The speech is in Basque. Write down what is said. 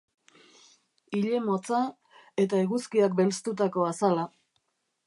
Ile motza eta eguzkiak belztutako azala.